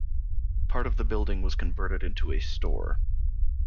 Part of the building was converted into a store.